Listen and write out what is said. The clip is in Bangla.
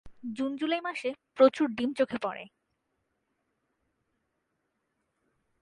জুন জুলাই মাসে প্রচুর ডিম চোখে পরে।